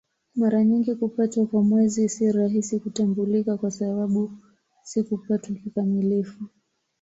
Mara nyingi kupatwa kwa Mwezi si rahisi kutambulika kwa sababu si kupatwa kikamilifu.